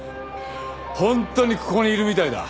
ホントにここにいるみたいだ。